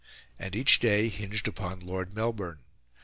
And each day hinged upon Lord Melbourne.